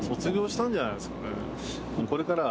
これからは。